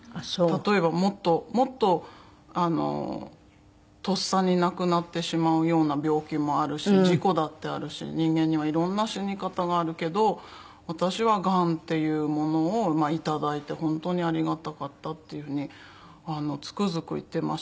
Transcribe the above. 例えば「もっともっととっさに亡くなってしまうような病気もあるし事故だってあるし人間には色んな死に方があるけど私はがんっていうものを頂いて本当にありがたかった」っていうふうにつくづく言っていました。